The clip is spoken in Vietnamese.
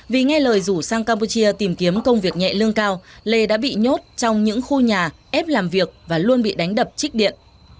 vì nghe lời rủ sang campuchia tìm kiếm công việc nhẹ lương cao lê đã bị nhốt trong những khu nhà ép làm việc và luôn bị đánh đập trích điện